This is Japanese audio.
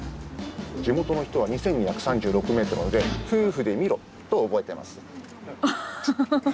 地元の人は「２，２３６ｍ」なので「夫婦で見ろ」と覚えてます。